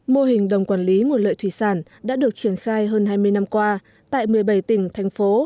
mô hình đồng quản lý nguồn lợi thủy sản đã được triển khai hơn hai mươi năm qua tại một mươi bảy tỉnh thành phố